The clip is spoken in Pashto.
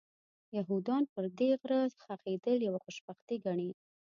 یهودان پر دې غره ښخېدل یوه خوشبختي ګڼي.